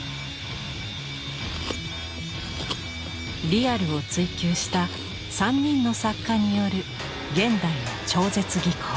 リアルを追求した３人の作家による現代の超絶技巧。